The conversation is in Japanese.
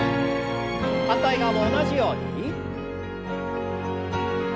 反対側も同じように。